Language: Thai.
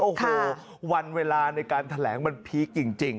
โอ้โหวันเวลาในการแถลงมันพีคจริง